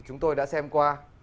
chúng tôi đã xem qua